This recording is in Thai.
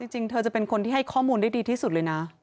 จริงเธอจะเป็นคนที่ให้ข้อมูลได้ดีที่สุดเลยนะ